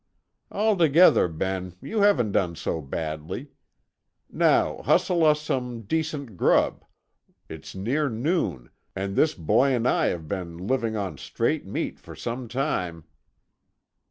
Altogether, Ben, you haven't done so badly. Now, hustle us some decent grub—it's near noon, and this boy and I have been living on straight meat for some time."